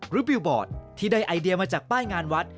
บิลบอร์ดที่ได้ไอเดียมาจากป้ายงานวัด